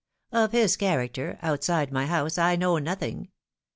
Of his character outside my house I know no thing.